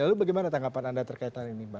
lalu bagaimana tanggapan anda terkaitan ini bang